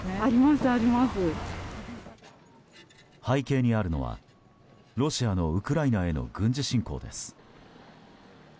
背景にあるのは、ロシアのウクライナへの軍事侵攻です。